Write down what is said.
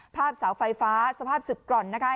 เสาไฟฟ้าสภาพศึกกร่อนนะคะ